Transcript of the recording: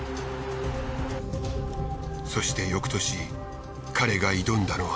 そして翌年彼が挑んだのは。